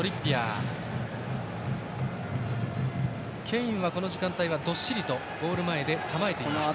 ケインは、この時間帯はどっしりとゴール前で構えています。